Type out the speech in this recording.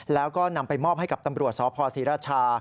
แล้วก็นำไปมอบให้กับตำรวจสพศรีราชา